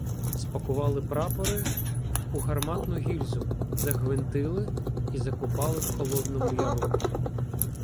Спакували прапори у гарматну гільзу, загвинтили і закопали в Холодному Яру.